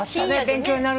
勉強になるね。